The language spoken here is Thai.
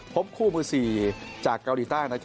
พบคู่ที่สี่จากเกาหลีใต้